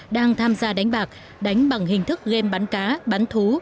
đang tham gia đánh bạc đánh bằng hình thức game bắn cá bán thú